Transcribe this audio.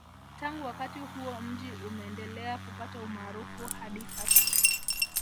Tangu wakati huo mji umendelea kupata umaarufu hadi sasa